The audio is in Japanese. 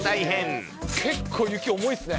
結構雪重いですね。